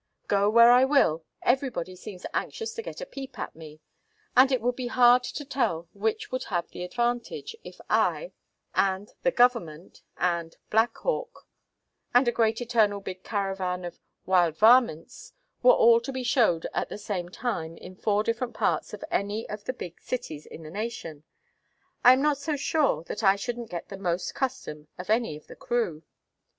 Go where I will, everybody seems anxious to get a peep at me; and it would be hard to tell which would have the advantage, if I, and the "Government," and "Black Hawk," and a great eternal big caravan of wild varments were all to be showed at the same time in four different parts of any of the big cities in the nation. I am not so sure that I shouldn't get the most custom of any of the crew.